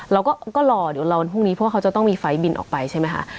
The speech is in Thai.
เราก็รอเดี๋ยวรอวันพรุ่งนี้เพราะว่าเขาจะต้องมีไฟล์บินออกไปใช่ไหมคะ